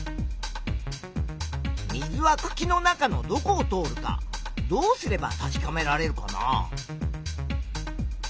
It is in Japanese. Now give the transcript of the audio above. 水はくきの中のどこを通るかどうすれば確かめられるかな？